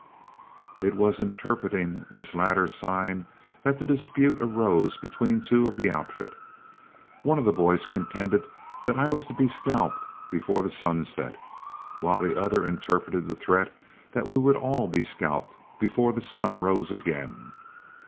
It was in interpreting this latter sign that the dispute arose between two of the outfit. One of the boys contended that I was to be scalped before the sun set, while the other interpreted the threat that we would all he scalped before the sun rose again.